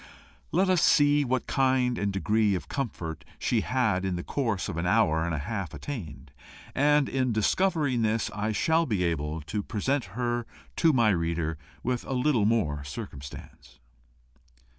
Let us see what kind and degree of comfort she had in the course of an hour and a half attained. And in discovering this I shall be able to present her to my reader with a little more circumstance.